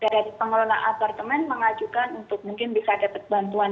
dari pengelola apartemen mengajukan untuk mungkin bisa dapat bantuan